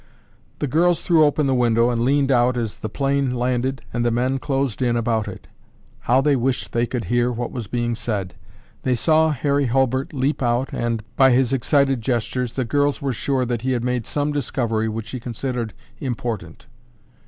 The girls threw open the window and leaned out as the plane landed and the men closed in about it. How they wished they could hear what was being said. They saw Harry Hulbert leap out and, by his excited gestures, the girls were sure that he had made some discovery which he considered important.